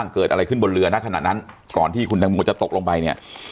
เกิดอะไรขึ้นบนเรือนะขณะนั้นก่อนที่คุณตังโมจะตกลงไปเนี่ย